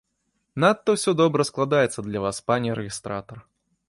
Надта ўсё добра складаецца для вас, пане рэгістратар.